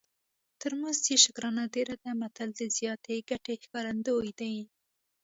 تر مزد یې شکرانه ډېره ده متل د زیاتې ګټې ښکارندوی دی